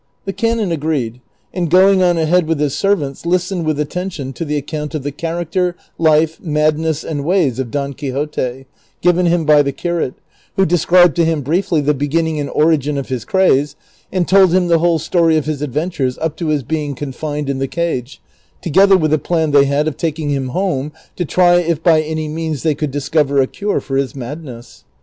The canon agreed, and going on ahead with his servants, listened with attention to the account of the character, life, madness, and ways of Don Quixote, given him by the curate, who described to him briefly the beginning and origin of his craze, and told him the whole story of his adventures up to his being confined in the cage, together with the plan they had of taking him home to try if by any means they could discover a cure for his madness.